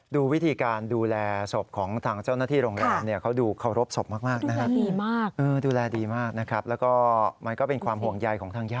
ดูวิธีการดูแลศพของทางเจ้าหน้าที่โรงแรมเนี่ย